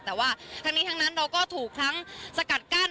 แต่ว่าทั้งนี้ทั้งนั้นเราก็ถูกทั้งสกัดกั้น